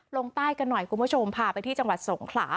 ลงใต้กันหน่อยคุณผู้ชมพาไปที่จังหวัดสงขลา